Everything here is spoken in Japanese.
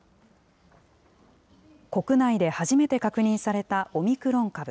国内で初めて確認されたオミクロン株。